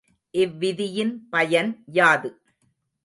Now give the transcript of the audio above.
இவ்விதியின் பயன் யாது?